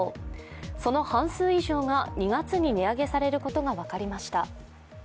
その半数以上が２月に値上げされることが分かりました。